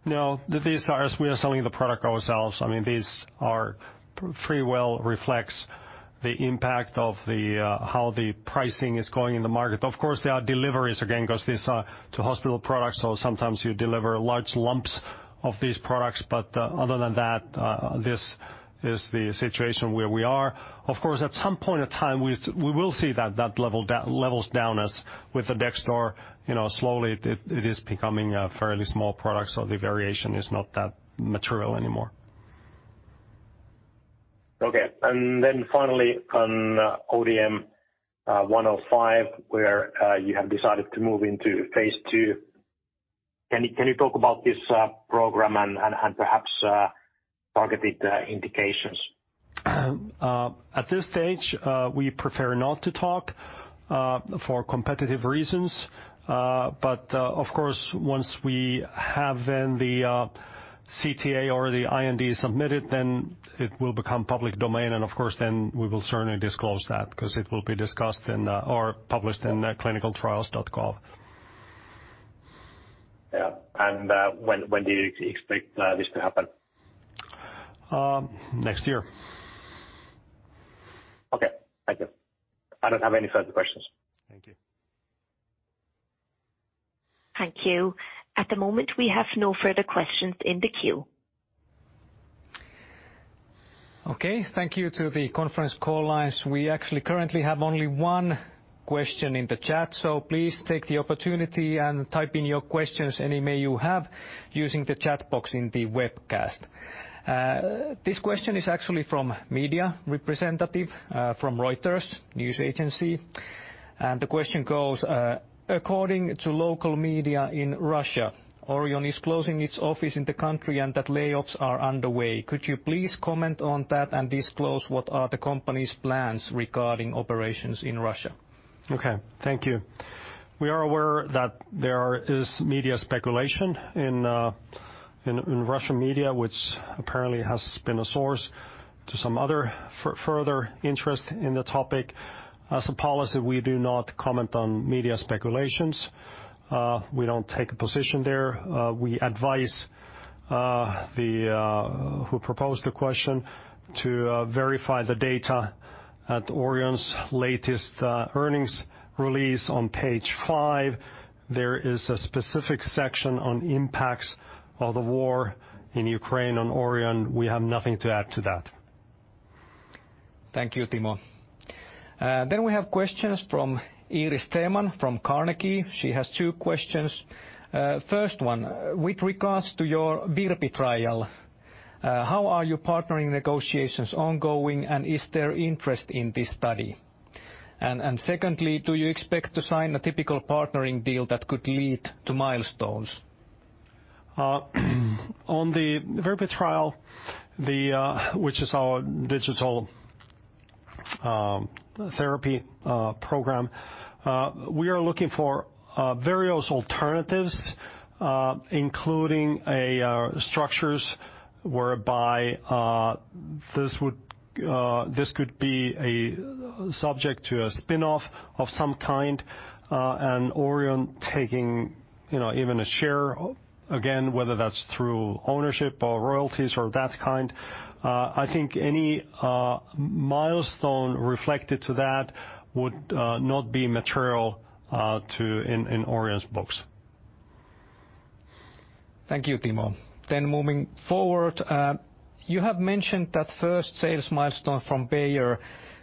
No. These are as we are selling the product ourselves. I mean, these are pretty well reflects the impact of how the pricing is going in the market. Of course, there are deliveries again, 'cause these are to hospital products, so sometimes you deliver large lumps of these products, but other than that, this is the situation where we are. Of course, at some point in time, we will see that levels down as with the Dexdor, you know, slowly it is becoming a fairly small product, so the variation is not that material anymore. Okay. Finally on ODM-105, where you have decided to move into phase two, can you talk about this program and perhaps targeted indications? At this stage, we prefer not to talk for competitive reasons. Of course, once we have then the CTA or the IND submitted, then it will become public domain. Of course, then we will certainly disclose that, 'cause it will be discussed in or published in ClinicalTrials.gov. Yeah. When do you expect this to happen? Next year. Okay, thank you. I don't have any further questions. Thank you. Thank you. At the moment, we have no further questions in the queue. Okay. Thank you to the Conference Call lines. We actually currently have only one question in the chat, so please take the opportunity and type in your questions, any that you may have, using the chat box in the webcast. This question is actually from a media representative from Reuters news agency. The question goes, according to local media in Russia, Orion is closing its office in the country and that layoffs are underway. Could you please comment on that and disclose what are the company's plans regarding operations in Russia? Okay. Thank you. We are aware that there is media speculation in Russian media, which apparently has been a source to some other further interest in the topic. As a policy, we do not comment on media speculations. We don't take a position there. We advise who proposed the question to verify the data at Orion's latest earnings release on page five. There is a specific section on impacts of the war in Ukraine on Orion. We have nothing to add to that. Thank you, Timo. We have questions from Iiris Theman from Carnegie. She has two questions. First one, with regards to your VIRPI trial, how are your partnering negotiations ongoing, and is there interest in this study? Secondly, do you expect to sign a typical partnering deal that could lead to milestones? On the VIRPI trial, which is our digital therapy program, we are looking for various alternatives, including structures whereby this could be subject to a spinoff of some kind, and Orion taking, you know, even a share again, whether that's through ownership or royalties or that kind. I think any milestone reflected to that would not be material in Orion's books. Thank you, Timo. Moving forward, you have mentioned that first sales milestone from Bayer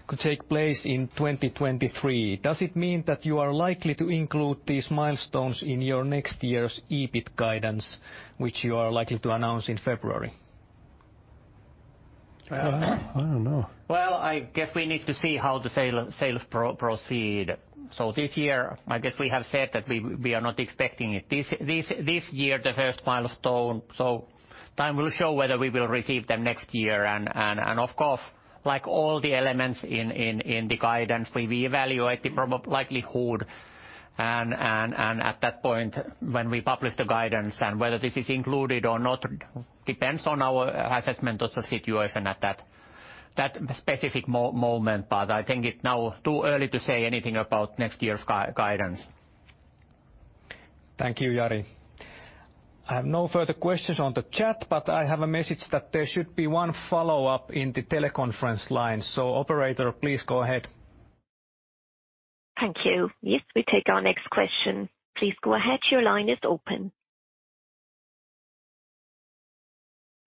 could take place in 2023. Does it mean that you are likely to include these milestones in your next year's EBIT guidance, which you are likely to announce in February? Well, I don't know. Well, I guess we need to see how the sales proceed. This year, I guess we have said that we are not expecting it this year, the first milestone. Time will show whether we will receive them next year. Of course, like all the elements in the guidance we evaluate the probability. At that point, when we publish the guidance and whether this is included or not, depends on our assessment of the situation at that specific moment. I think it's now too early to say anything about next year's guidance. Thank you, Jari. I have no further questions on the chat, but I have a message that there should be one follow-up in the teleconference line. Operator, please go ahead. Thank you. Yes, we take our next question. Please go ahead. Your line is open.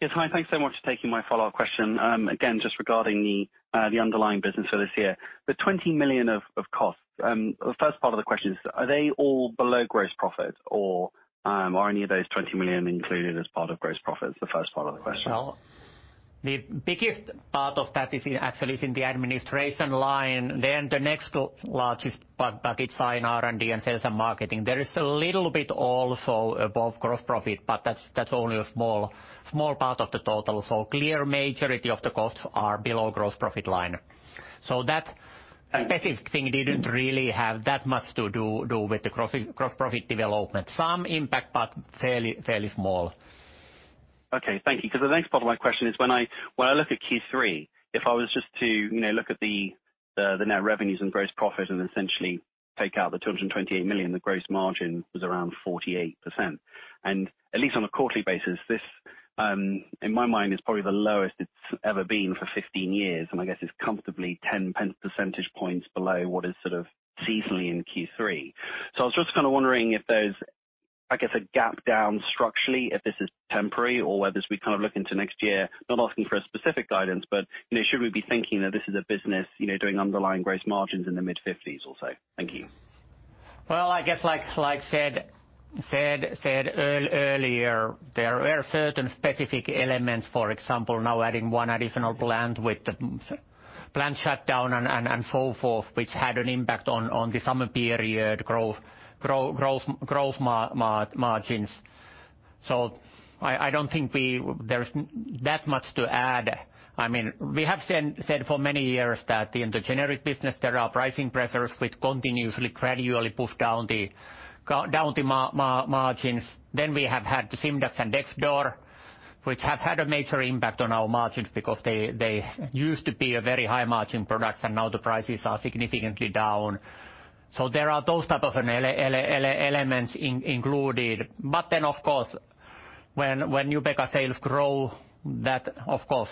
Yes. Hi, thanks so much for taking my follow-up question. Again, just regarding the underlying business for this year. The 20 million of costs. The first part of the question is, are they all below gross profit or, are any of those 20 million included as part of gross profits? The first part of the question. Well, the biggest part of that is actually in the administration line, then the next largest part, but it's in R&D and sales and marketing. There is a little bit also above gross profit, but that's only a small part of the total. Clear majority of the costs are below gross profit line. That specific thing didn't really have that much to do with the gross profit development. Some impact, but fairly small. Okay, thank you. 'Cause the next part of my question is when I look at Q3, if I was just to, you know, look at the net revenues and gross profit and essentially take out the 220 million, the gross margin was around 48%. At least on a quarterly basis, this, in my mind, is probably the lowest it's ever been for 15 years, and I guess it's comfortably 10 percentage points below what is sort of seasonally in Q3. I was just kind of wondering if there's, I guess, a gap down structurally if this is temporary or whether as we kind of look into next year, not asking for a specific guidance, but, you know, should we be thinking that this is a business, you know, doing underlying gross margins in the mid-50s or so? Thank you. Well, I guess like said earlier, there were certain specific elements, for example, now adding one additional plant with the plant shutdown and so forth, which had an impact on the summer period growth margins. I don't think there's that much to add. I mean, we have said for many years that in the generic business, there are pricing pressures which continuously gradually push down the margins. We have had the Simdax and Dexdor, which have had a major impact on our margins because they used to be a very high-margin product, and now the prices are significantly down. There are those type of elements included. Of course, when Nubeqa sales grow, that of course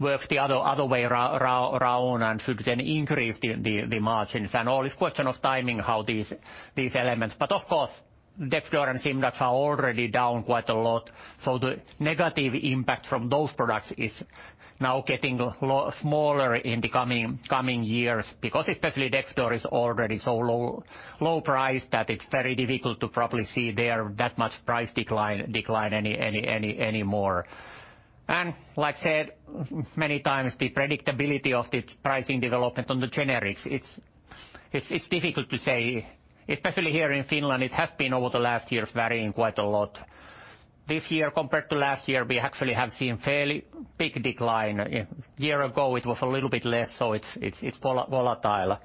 works the other way around and should then increase the margins. It's all a question of timing how these elements. Of course, Dexdor and Simdax are already down quite a lot. The negative impact from those products is now getting smaller in the coming years because especially Dexdor is already so low price that it's very difficult to probably see there that much price decline any more. Like said, many times the predictability of the pricing development on the generics, it's difficult to say. Especially here in Finland, it has been over the last years varying quite a lot. This year, compared to last year, we actually have seen fairly big decline. A year ago, it was a little bit less, it's volatile.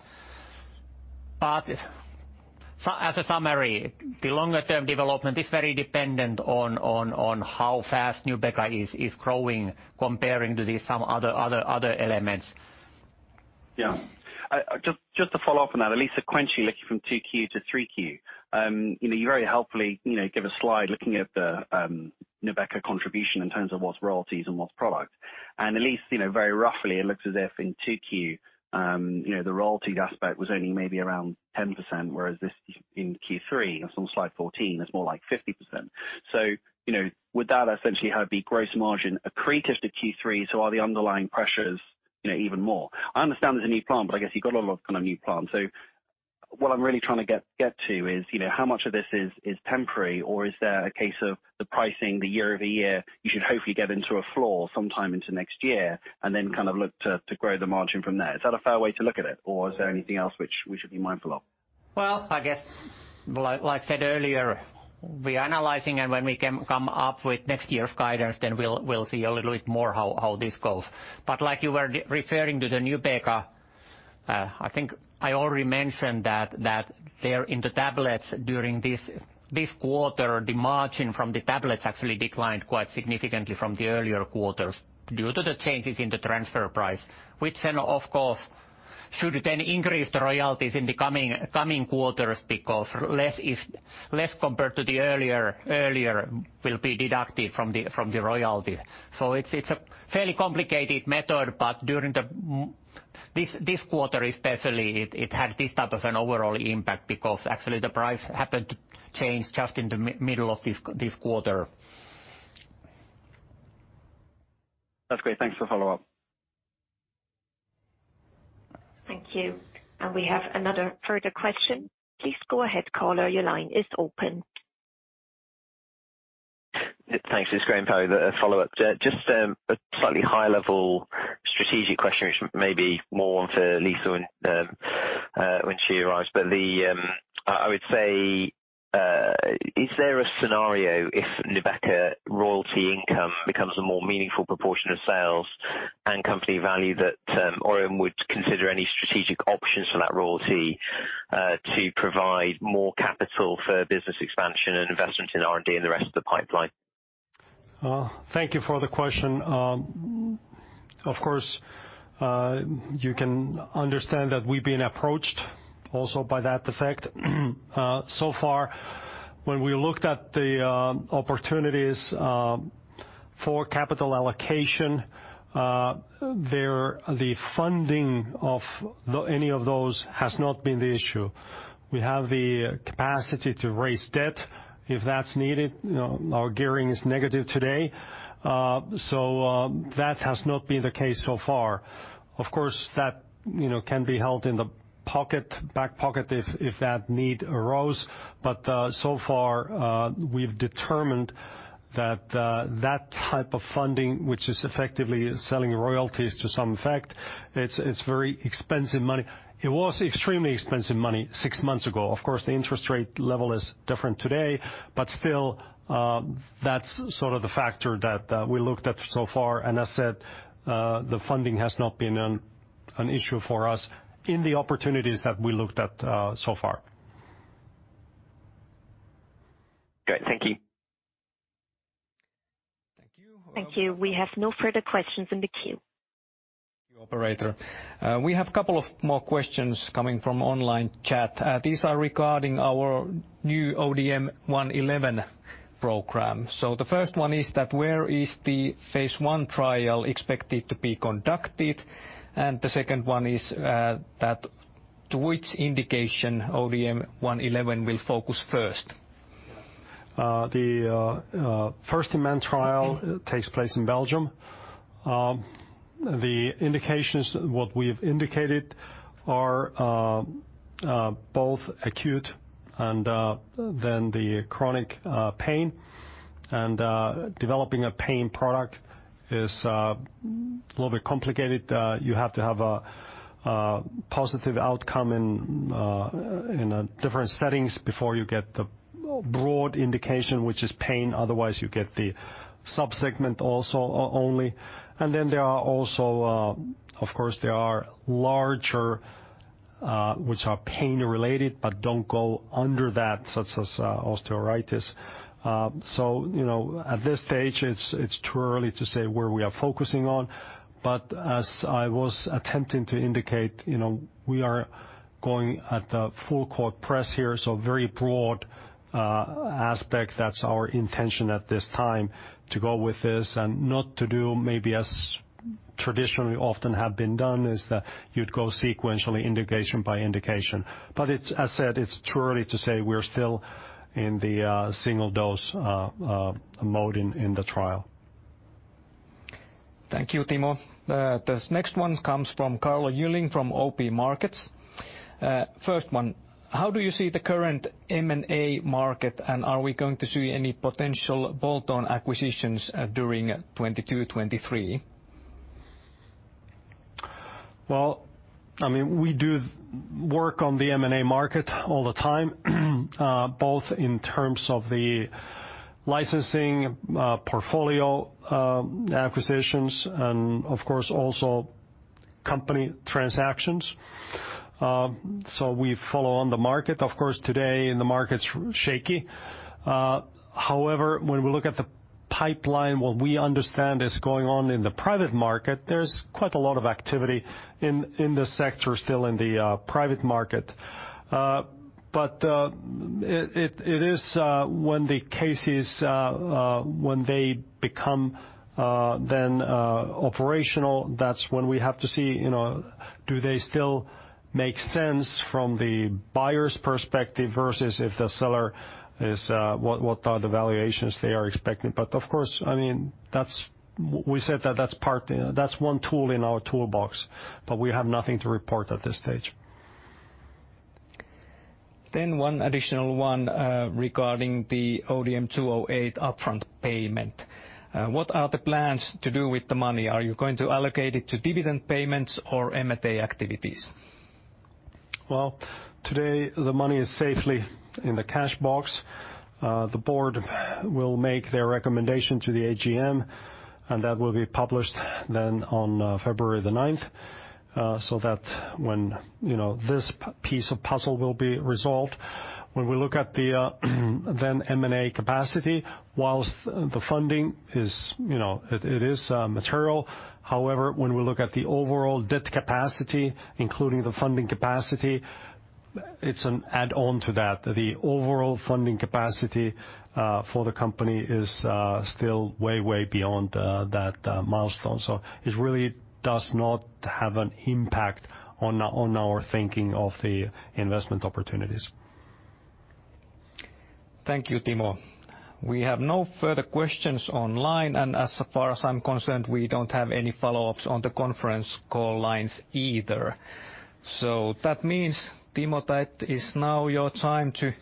As a summary, the longer-term development is very dependent on how fast Nubeqa is growing compared to some other elements. Just to follow up on that, at least sequentially, looking from Q2 to Q3, you know, you very helpfully give a slide looking at the Nubeqa contribution in terms of what's royalties and what's product. At least, you know, very roughly, it looks as if in Q2, you know, the royalties aspect was only maybe around 10%, whereas, in Q3 on slide 14, it's more like 50%. You know, would that essentially have the gross margin accretive to Q3, so are the underlying pressures, you know, even more? I understand there's a new plant, but I guess you've got a lot of kind of new plants. What I'm really trying to get to is, you know, how much of this is temporary or is there a case of the pricing, the year-over-year, you should hopefully get into a floor sometime into next year and then kind of look to grow the margin from there? Is that a fair way to look at it or is there anything else which we should be mindful of? Well, I guess, like said earlier, we're analyzing and when we come up with next year's guidance, then we'll see a little bit more how this goes. Like you were referring to the Nubeqa, I think I already mentioned that there in the tablets during this quarter, the margin from the tablets actually declined quite significantly from the earlier quarters due to the changes in the transfer price, which then, of course, should then increase the royalties in the coming quarters because less compared to the earlier will be deducted from the royalty. It's a fairly complicated method, but during this quarter especially, it had this type of an overall impact because actually the price happened to change just in the middle of this quarter. That's great. Thanks for the follow-up. Thank you. We have another further question. Please go ahead, caller. Your line is open. Thanks. This is Graham Powell with a follow-up. Just a slightly high-level strategic question, which may be more on to Liisa when she arrives. I would say, is there a scenario if Nubeqa royalty income becomes a more meaningful proportion of sales and company value that Orion would consider any strategic options for that royalty to provide more capital for business expansion and investment in R&D and the rest of the pipeline? Thank you for the question. Of course, you can understand that we've been approached also to that effect. So far when we looked at the opportunities for capital allocation, the funding of any of those has not been the issue. We have the capacity to raise debt if that's needed. You know, our gearing is negative today. That has not been the case so far. Of course, that, you know, can be held in the pocket, back pocket if that need arose. So far, we've determined that that type of funding, which is effectively selling royalties to some effect, it's very expensive money. It was extremely expensive money six months ago. Of course, the interest rate level is different today. Still, that's sort of the factor that we looked at so far and as said, the funding has not been an issue for us in the opportunities that we looked at so far. Great. Thank you. Thank you. Thank you. We have no further questions in the queue. Operator, we have a couple of more questions coming from online chat. These are regarding our new ODM-111 program. The first one is that where is the phase one trial expected to be conducted? The second one is, that to which indication ODM-111 will focus first. The first-in-man trial takes place in Belgium. The indications, what we've indicated are both acute and then the chronic pain. Developing a pain product is a little bit complicated. You have to have a positive outcome in different settings before you get the broad indication, which is pain. Otherwise you get the sub-segment also only. There are also, of course, larger which are pain-related but don't go under that such as osteoarthritis. You know, at this stage it's too early to say where we are focusing on, but as I was attempting to indicate, you know, we are going at the full court press here, so very broad aspect. That's our intention at this time to go with this and not to do maybe as traditionally often have been done, is that you'd go sequentially indication by indication. It's, as said, it's too early to say we're still in the single dose mode in the trial. Thank you, Timo. This next one comes from Carlo Yrjölä from OP Markets. First one: How do you see the current M&A market, and are we going to see any potential bolt-on acquisitions during 2022, 2023? Well, I mean, we do work on the M&A market all the time, both in terms of the licensing portfolio, acquisitions and of course also company transactions. We follow the market. Of course, today the market's shaky. However, when we look at the pipeline, what we understand is going on in the private market, there's quite a lot of activity in this sector still in the private market. It is when they become operational, that's when we have to see, you know, do they still make sense from the buyer's perspective versus if the seller is what the valuations they are expecting. Of course, I mean, that's. We said that that's part, that's one tool in our toolbox, but we have nothing to report at this stage. One additional one, regarding the ODM-208 upfront payment. What are the plans to do with the money? Are you going to allocate it to dividend payments or M&A activities? Well, today the money is safely in the cash box. The board will make their recommendation to the AGM, and that will be published then on February the ninth. That when, you know, this piece of puzzle will be resolved, when we look at the then M&A capacity, while the funding is, you know, it is material. However, when we look at the overall debt capacity, including the funding capacity, it's an add-on to that. The overall funding capacity for the company is still way beyond that milestone. It really does not have an impact on our thinking of the investment opportunities. Thank you, Timo. We have no further questions online, and as far as I'm concerned, we don't have any follow-ups on the Conference Call lines either. That means, Timo, that is now your time to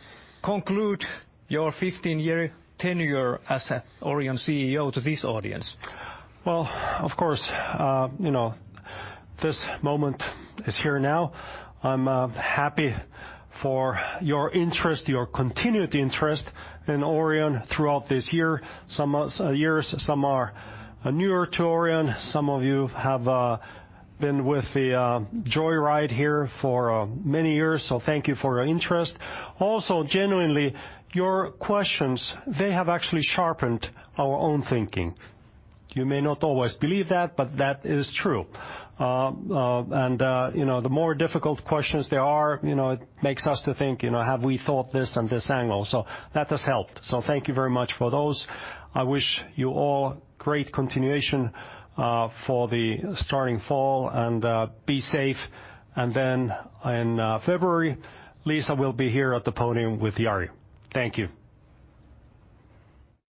conclude your 15-year tenure as Orion CEO to this audience. Well, of course, you know, this moment is here now. I'm happy for your interest, your continued interest in Orion throughout this year. Some of you have been with the joyride here for many years, so thank you for your interest. Also, genuinely, your questions, they have actually sharpened our own thinking. You may not always believe that, but that is true. You know, the more difficult questions there are, you know, it makes us to think, you know, have we thought this and this angle? So that has helped. So thank you very much for those. I wish you all great continuation for the starting fall and be safe. Then in February, Liisa will be here at the podium with Jari. Thank you.